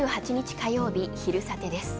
火曜日、「昼サテ」です。